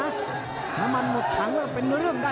น้ำมันหมดทางเป็นเรื่องได้